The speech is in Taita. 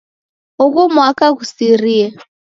Ughu mwaka ghusirie.